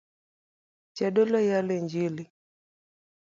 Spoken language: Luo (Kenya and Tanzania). Jadolo yalo injili